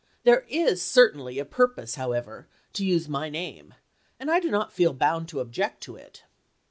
There is certainly a purpose, however, to use my name, and I do not feel bound to object to it."